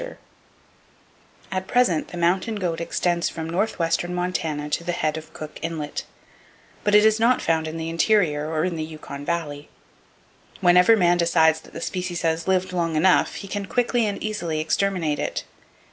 Seton At present the mountain goat extends from north western Montana to the head of Cook Inlet, but it is not found in the interior or in the Yukon valley. Whenever man decides that the species has lived long enough, he can quickly and easily exterminate it.